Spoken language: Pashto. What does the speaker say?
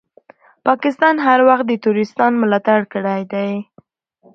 پاکستان هر وخت دي تروريستانو ملاتړ کړی ده.